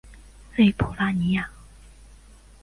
勒普拉尼亚。